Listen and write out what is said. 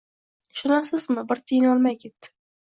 Ishonasizmi, bir tiyin olmay ketdi.